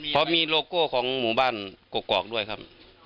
เพราะมีโลโก้ของหมู่บ้านกกอกด้วยครับ